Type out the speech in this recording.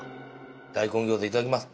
大根餃子いただきます。